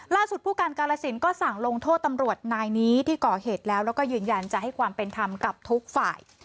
ผู้การกาลสินก็สั่งลงโทษตำรวจนายนี้ที่ก่อเหตุแล้วแล้วก็ยืนยันจะให้ความเป็นธรรมกับทุกฝ่าย